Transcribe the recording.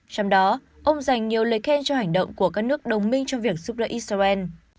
trong đó ông dành nhiều lời khen cho hành động của các nước đồng minh trong việc giúp đỡ israel